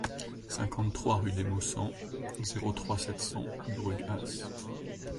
cinquante-trois rue des Maussangs, zéro trois, sept cents Brugheas